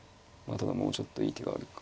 ただもうちょっといい手があるか。